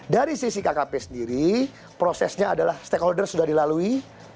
dari sisi kkp sendiri prosesnya adalah stakeholder sudah dilalui